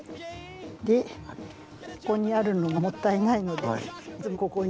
でここにあるのがもったいないのでいつもここに。